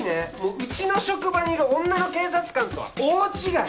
うちの職場にいる女の警察官とは大違い！